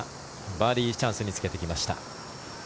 バーディーチャンスにつけてきました。